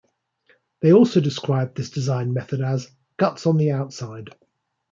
They also described this design method as "guts on the outside".